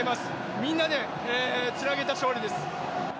みんなでつなげた勝利です。